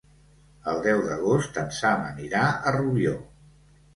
El deu d'agost en Sam anirà a Rubió.